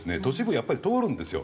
やっぱり通るんですよ。